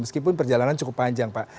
meskipun perjalanan cukup panjang pak